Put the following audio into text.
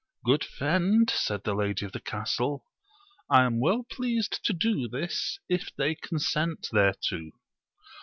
Good friend, said the lady of the castle, I am well pleased to do this, if they consent thereto.